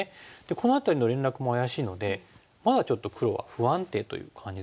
この辺りの連絡も怪しいのでまだちょっと黒は不安定という感じですよね。